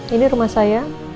ini rumah saya